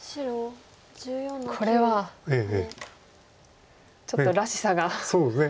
これはちょっとらしさが出てますか？